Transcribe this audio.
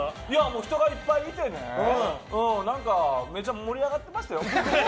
人がいっぱいいてめちゃ盛り上がってましたよ。